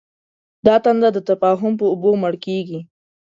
دا تنده د تفاهم په اوبو مړ کېږي.